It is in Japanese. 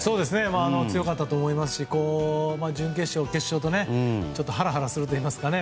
強かったと思いますし準決勝、決勝とハラハラするといいますかね